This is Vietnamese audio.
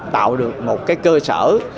tạo được một cái cơ sở